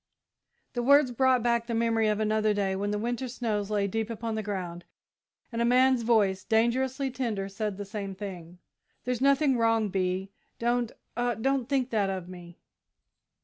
The words brought back the memory of another day, when the winter snows lay deep upon the ground, and a man's voice, dangerously tender, said the same thing. "There's nothing wrong, Bee don't, oh, don't think that of me!"